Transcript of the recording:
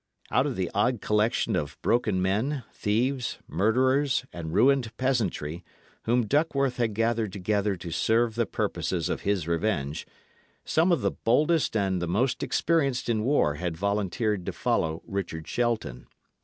Out of the odd collection of broken men, thieves, murderers, and ruined peasantry, whom Duckworth had gathered together to serve the purposes of his revenge, some of the boldest and the most experienced in war had volunteered to follow Richard Shelton.